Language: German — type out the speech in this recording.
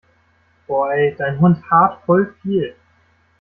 Boah ey, dein Hund haart voll viel!